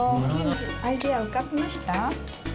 アイデア浮かびました？